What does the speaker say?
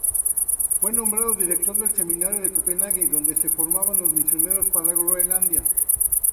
Fue nombrado director del seminario de Copenhague, donde se formaban los misioneros para Groenlandia.